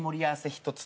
１つ。